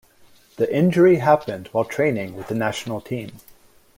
The injury happened while training with the national team.